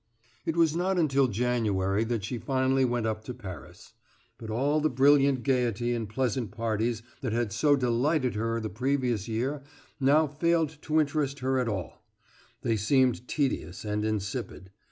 It was not until January that she finally went up to Paris. But all the brilliant gaiety and pleasant parties that had so delighted her the previous year now failed to interest her at all; they seemed tedious and insipid.